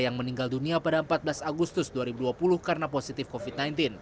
yang meninggal dunia pada empat belas agustus dua ribu dua puluh karena positif covid sembilan belas